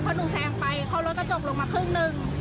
เพราะหนูแซงไปเขาลดกระจกลงมาครึ่งหนึ่ง